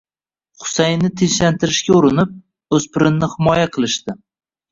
Husaynni tinchlantirishga urinib, o`spirinni himoya qilishdi